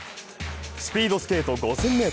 スピードスケート５０００